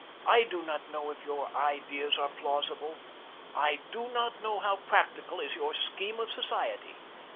I do not know if your ideas are plausible. I do not know how practical is your scheme of society.